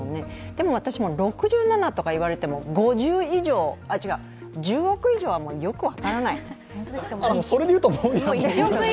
でも私、６７とかいわれても、１０億以上はよく分からない。